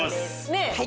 ねえ。